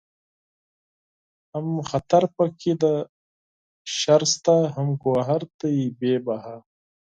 هم خطر پکې د شر شته هم گوهر دئ بې بها